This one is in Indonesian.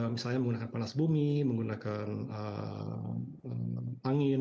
misalnya menggunakan panas bumi menggunakan angin